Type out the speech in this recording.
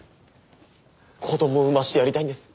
子供を産ませてやりたいんです。